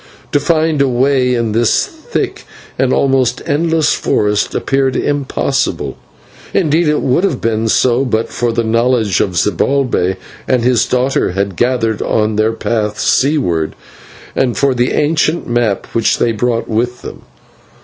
To find a way in this thick and almost endless forest appeared impossible; indeed, it would have been so but for the knowledge that Zibalbay and his daughter had gathered on their path seaward, and for an ancient map which they brought with them.